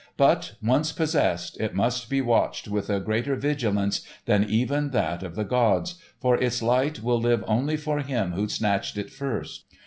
But, once possessed, it must be watched with a greater vigilance than even that of the gods, for its light will live only for him who snatched it first.